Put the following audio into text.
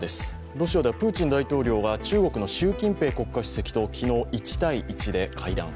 ロシアではプーチン大統領が中国の習近平国家主席と昨日、１対１で会談。